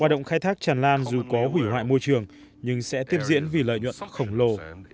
hoạt động khai thác tràn lan dù có hủy hoại môi trường nhưng sẽ tiếp diễn vì lợi nhuận khổng lồ